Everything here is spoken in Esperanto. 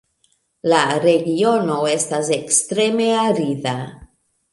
La regiono estas ekstreme arida.